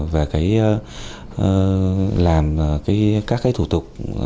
về làm các thủ tục